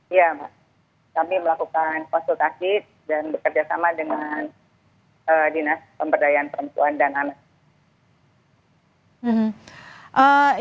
iya kami melakukan konsultasi dan bekerjasama dengan dinas pemberdayaan perempuan dan anak